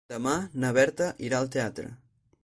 Demà na Berta irà al teatre.